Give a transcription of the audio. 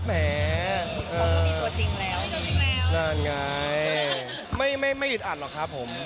มันก็มีตัวจริงแล้วนั่นไงไม่หยุดอ่านหรอกครับผม